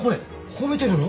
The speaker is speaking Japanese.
褒めてるの？